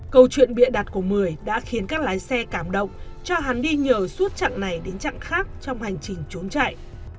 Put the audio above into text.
câu chuyện bịa đặt của mười đã khiến các lái xe cảm động cho hắn đi nhờ suốt chặng này đến chặng khác trong hành trình trốn chạy